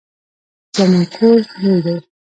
زمونږ کور لوی دی